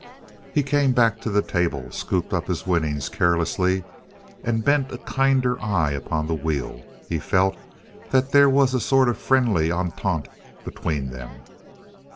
He came back to the table, scooped up his winnings carelessly and bent a kinder eye upon the wheel. He felt that there was a sort of friendly entente between them.